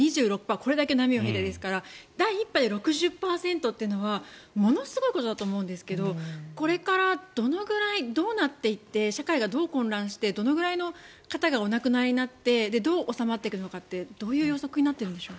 これだけ波を経てですから第１波で６０％というのはものすごいことだと思うんですがこれからどのぐらいどうなっていって社会がどう混乱してどのぐらいの方がお亡くなりになってどう収まっていくのかってどういう予測になっているんでしょう。